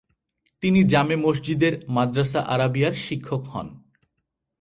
তিনি জামে মসজিদের মাদ্রাসা আরবিয়ায় শিক্ষক হন।